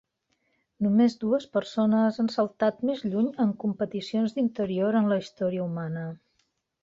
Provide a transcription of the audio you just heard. Només dues persones han saltat més lluny en competicions d'interior en la història humana.